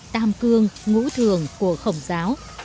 tam cương ngũ thường của khổng giáo